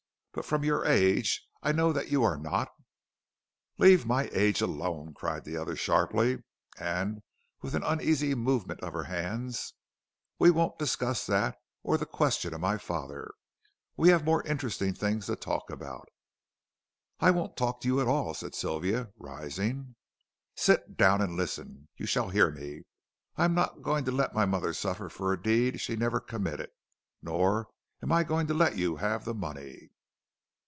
But from your age, I know that you are not " "Leave my age alone," cried the other sharply, and with an uneasy movement of her hands; "we won't discuss that, or the question of my father. We have more interesting things to talk about." "I won't talk to you at all," said Sylvia, rising. "Sit down and listen. You shall hear me. I am not going to let my mother suffer for a deed she never committed, nor am I going to let you have the money."